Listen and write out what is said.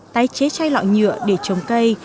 tái chế chai lọ nhựa để trồng cây